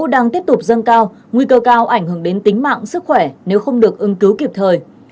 đang tiếp tục dâng cao nguy cơ cao ảnh hưởng đến tính mạng sức khỏe nếu không được ứng cứu kịp thời